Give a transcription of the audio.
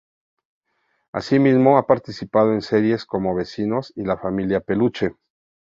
Así mismo ha participado en series como "Vecinos" y "La Familia Peluche".